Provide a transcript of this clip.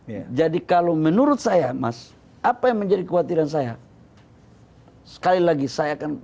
hai jadi kalau menurut saya mas apa yang menjadi kekhawatiran saya hai sekali lagi saya akan